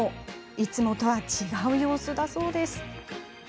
いつもとは違う様子だそうです。